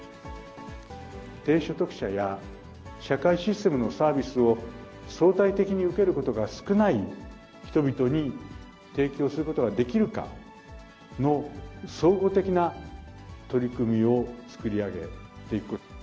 低所得者や社会システムのサービスを、相対的に受けることが少ない人々に提供することができるかの総合的な取り組みを、作り上げていく。